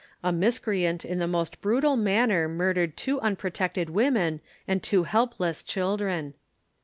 A miscreant in the most brutal manner murdered two unprotected women and two helpless children.